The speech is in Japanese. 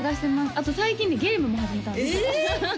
あと最近ねゲームも始めたんですよええ！